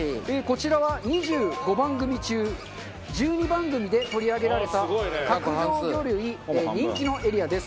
こちらは２５番組中１２番組で取り上げられた角上魚類人気のエリアです。